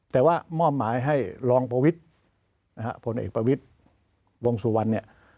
แต่ว่ามอบหมายให้ลองปวิทธิ์พลเอกปวิทธิ์วงศุวรรณ